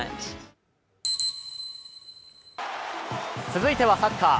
続いてはサッカー。